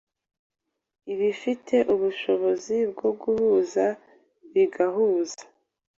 Ibifite ubushobozi bwo guhuza bigahuza